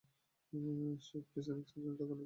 সে free স্ন্যাক্সের জন্য টাকা নেবে কেন?